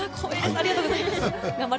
ありがとうございます。